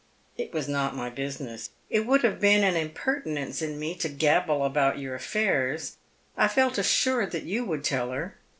" It was not my business. It would have been an impertinence in me to gabble about your affairs. I felt assured that you would tell her."